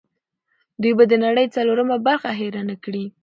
دوی به د نړۍ څلورمه برخه هېر نه کړي.